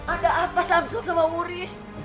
ada apa samsul sama wuri